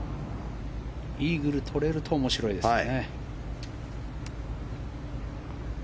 イーグルを取れると面白いですね。